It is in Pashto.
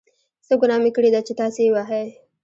څه ګناه مې کړې ده چې تاسې یې وهئ.